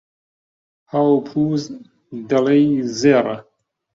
پاو و پووز، دەڵێی زێڕە